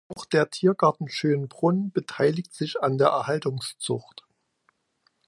Auch der Tiergarten Schönbrunn beteiligt sich an der Erhaltungszucht.